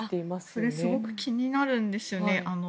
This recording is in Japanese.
それすごく気になるんですよね。